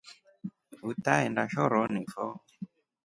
Utaenda shoroni fo.